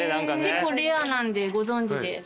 結構レアなんでご存じですごい。